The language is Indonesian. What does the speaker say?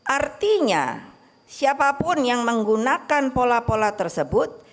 artinya siapapun yang menggunakan pola pola tersebut